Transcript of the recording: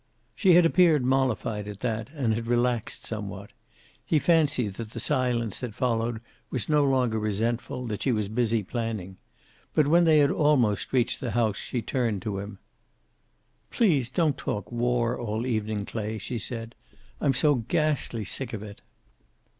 She had appeared mollified at that and had relaxed somewhat. He fancied that the silence that followed was no longer resentful, that she was busily planning. But when they had almost reached the house she turned to him. "Please don't talk war all evening, Clay," she said. "I'm so ghastly sick of it."